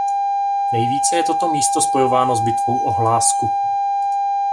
Nejvíce je toto místo spojováno s Bitvou o Hlásku.